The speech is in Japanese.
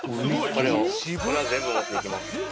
これは全部持っていきます。